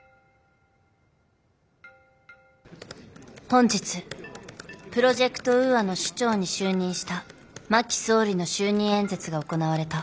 本日プロジェクト・ウーアの首長に就任した真木総理の就任演説が行われた。